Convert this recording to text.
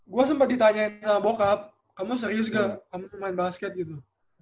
gue sempat ditanyain sama bokap kamu serius gak kamu main basket gitu